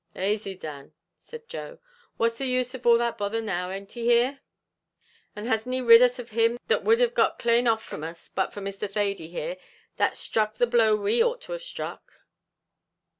"Asy, Dan," said Joe; "what's the use of all that bother now; an't he here? and hasn't he rid us of him that would have got clane off from us, but for Mr. Thady here, that struck the blow we ought to have struck?"